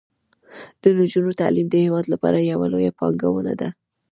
د نجونو تعلیم د هیواد لپاره یوه لویه پانګونه ده.